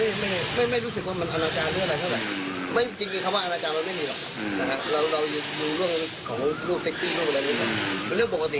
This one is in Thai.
เราต้องการให้ลูกค้าเนี่ยมารู้ว่าร้านกาแฟเรามีดี